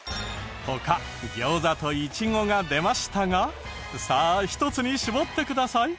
他餃子とイチゴが出ましたがさあ１つに絞ってください。